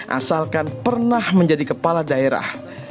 asalkan pernah menjadi kepala daerah